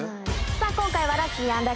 さぁ今回は。